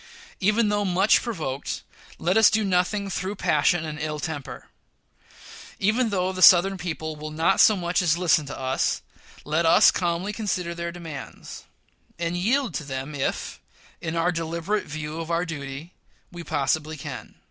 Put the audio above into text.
Even though much provoked, let us do nothing through passion and ill temper. Even though the Southern people will not so much as listen to us, let us calmly consider their demands, and yield to them if, in our deliberate view of our duty, we possibly can.